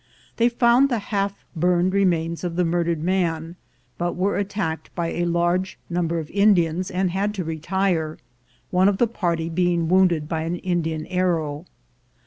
They found the half burned remains of the murdered man; but were attacked by a large number of Indians, and had to retire, one of the party being wounded by an Indian arrow.